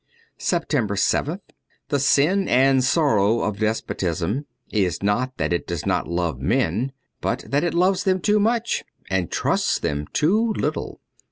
279 SEPTEMBER yth THE sin and sorrow of despotism is not that it does not love men, but that it loves them too much and trusts them too little.